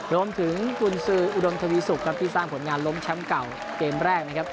กุญสืออุดมทวีสุกครับที่สร้างผลงานล้มแชมป์เก่าเกมแรกนะครับ